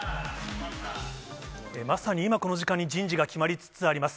まさに今、この時間に人事が決まりつつあります。